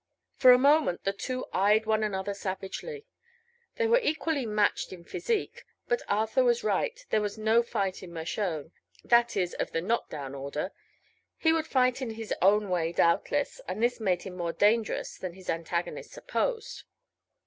For a moment the two eyed one another savagely. They were equally matched in physique; but Arthur was right, there was no fight in Mershone; that is, of the knock down order. He would fight in his own way, doubtless, and this made him more dangerous than his antagonist supposed.